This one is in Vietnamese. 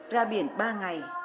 ra biển ba ngày